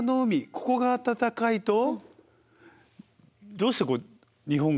ここが暖かいとどうして日本が。